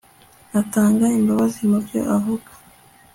atanga imbabazi mu byo avuga